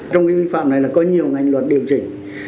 trong cái vi phạm này là có nhiều ngành luật điều chỉnh